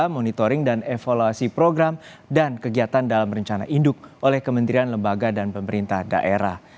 monitoring dan evaluasi program dan kegiatan dalam rencana induk oleh kementerian lembaga dan pemerintah daerah